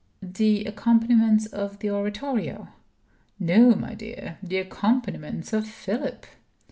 "The accompaniments of the Oratorio?" "No, my dear. The accompaniments of Philip."